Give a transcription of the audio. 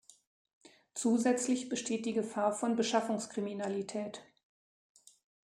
Zusätzlich besteht die Gefahr von Beschaffungskriminalität.